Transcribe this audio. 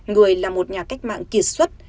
người là một nhà cách mạng kiệt xuất